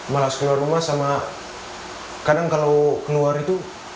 malas keluar rumah sama kadang kalau keluar itu